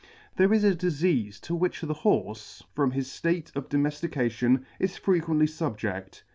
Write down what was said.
There is a difeafe to which the Horfe, from his (late of domeflication, is frequently fubje£t.